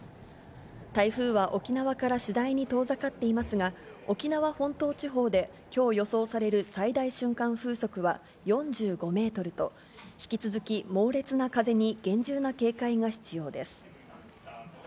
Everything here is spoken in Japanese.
台風は沖縄から次第に遠ざかっていますが、沖縄本島地方できょう予想される最大瞬間風速は４５メートルと、引き続き、猛烈な風に厳重な警戒が必要です。